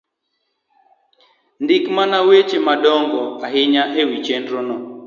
Ndik mana weche madongo ahinya e wi chenro no